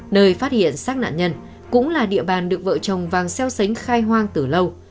nơi phát hiện xác nạn nhân cũng là địa bàn được vợ chồng vàng xeo xánh khai hoang từ lâu